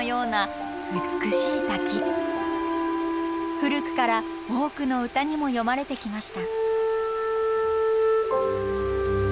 古くから多くの歌にも詠まれてきました。